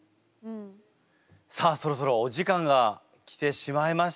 さあそろそろお時間が来てしまいました。